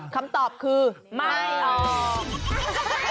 คำตอบคือไม่ออก